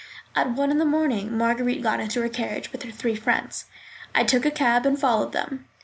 At one in the morning Marguerite got into her carriage with her three friends. I took a cab and followed them.